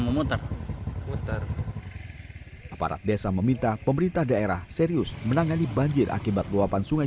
memutar untuk parabesa meminta pemerintah daerah serius menangani banjir akibat luapan sungai